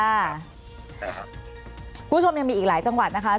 คุณผู้ชมยังมีอีกหลายจังหวัดนะคะ